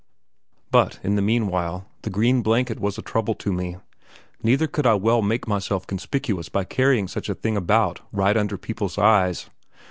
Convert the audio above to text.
But, in the meanwhile, the green blanket was a trouble to me. Neither could I well make myself conspicuous by carrying such a thing about right under people's eyes.